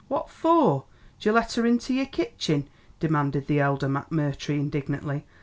"Phwat for 'd you let her into your kitchen?" demanded the elder McMurtry indignantly.